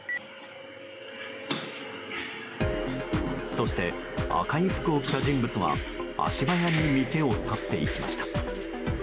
そして、赤い服を着た人物は足早に店を去っていきました。